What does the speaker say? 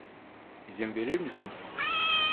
İzin verir misin?